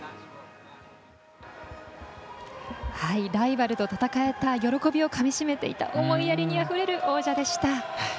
ライバルと戦えた喜びをかみしめている思いやりにあふれる王者でした。